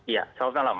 ya selamat malam